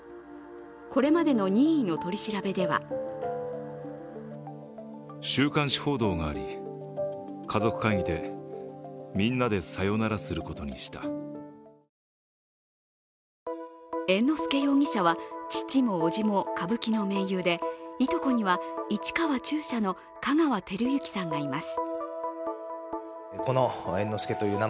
これまでの任意の取り調べでは猿之助容疑者は、父も伯父も歌舞伎の名優で、いとこには市川中車の香川照之さんがいます。